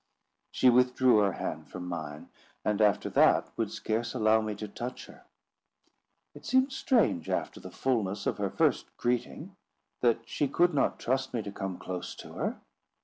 She withdrew her hand from mine, and after that would scarce allow me to touch her. It seemed strange, after the fulness of her first greeting, that she could not trust me to come close to her.